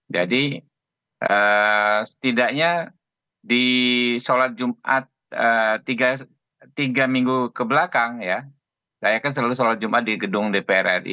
jadi setidaknya di sholat jumat tiga minggu kebelakang ya saya kan selalu sholat jumat di gedung dpr ri